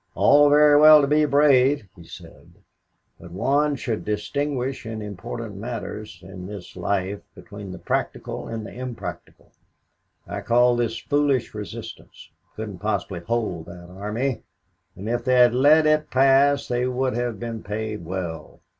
"All very well to be brave," he said, "but one should distinguish in important matters in this life between the practical and impractical. I call this foolish resistance couldn't possibly hold that army, and if they had let it pass they would have been paid well.